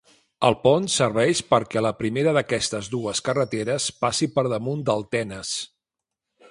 El pont serveix perquè la primera d'aquestes dues carreteres passi per damunt del Tenes.